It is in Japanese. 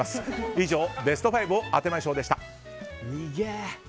以上、ベスト５を当てましょうでした。